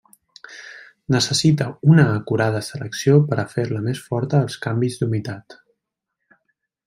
Necessita una acurada selecció per a fer-la més forta als canvis d'humitat.